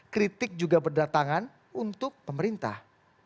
kritik juga berdatangan untuk pemerintah